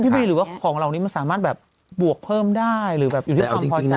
บีหรือว่าของเหล่านี้มันสามารถแบบบวกเพิ่มได้หรือแบบอยู่ที่ความพอใจ